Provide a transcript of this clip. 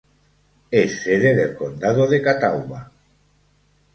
Es sede del condado de Catawba.